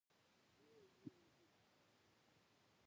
منډه د وجدان غږ ته غبرګون دی